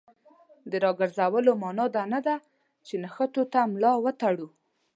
د راګرځولو معنا دا نه ده چې نښتو ته ملا وتړو.